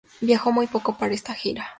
Viajó muy poco para esta gira.